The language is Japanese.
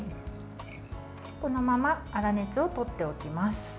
このまま粗熱をとっておきます。